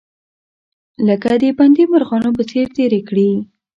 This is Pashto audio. لکه د بندي مرغانو په څیر تیرې کړې.